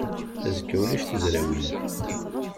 Azekka ulac tizrawin.